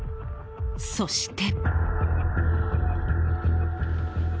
そして。